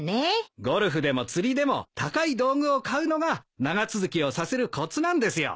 ゴルフでも釣りでも高い道具を買うのが長続きをさせるコツなんですよ。